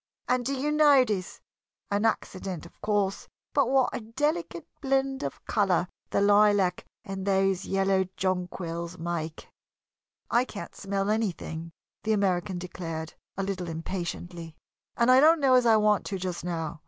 And do you notice an accident, of course but what a delicate blend of color the lilac and those yellow jonquils make!" "I can't smell anything," the American declared, a little impatiently, "and I don't know as I want to just now.